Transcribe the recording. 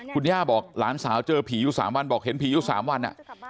คุณย่าบอกหลานสาวเจอผีอยู่๓วันบอกเห็นผีอยู่๓วัน